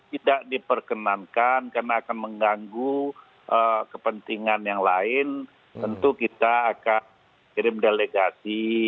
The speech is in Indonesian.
tidak diperkenankan karena akan mengganggu kepentingan yang lain tentu kita akan kirim delegasi